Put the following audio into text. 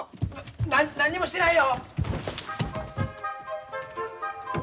な何にもしてないよ。